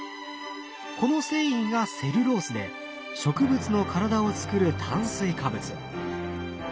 この繊維がセルロースで植物の体をつくる炭水化物。